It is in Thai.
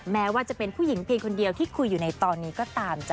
แม้ว่าจะเป็นผู้หญิงเพียงคนเดียวที่คุยอยู่ในตอนนี้ก็ตามจ้